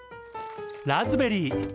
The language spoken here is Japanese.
ラズベリー。